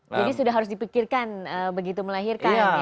jadi sudah harus dipikirkan begitu melahirkan ya